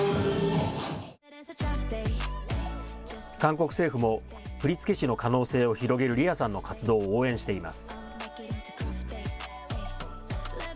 韓国政府も、振り付け師の可能性を広げるリアさんの活動を応援しています。